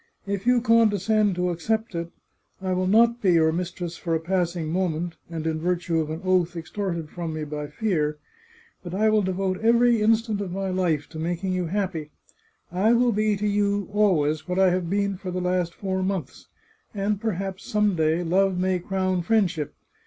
If you condescend to accept it, I will not be your mistress for a passing moment, and in virtue of 503 The Chartreuse of Parma an oath extorted from me by fear, but I will devote every instant of my life to making you happy. I will be to you, always, what I have been for the last four months, and per haps, some day, love may crown friendship.